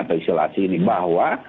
atau isolasi ini bahwa